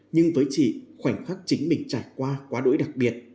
nhưng với chị khoảnh khắc chính mình trải qua quá đỗi đặc biệt